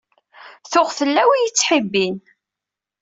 Tuɣ yella wi i y-ittḥibbin.